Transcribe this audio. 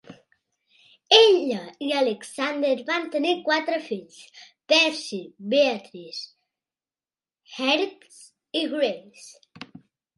Ella i Alexander van tenir quatre fills: Percy, Beatrice, Herbert i Grace.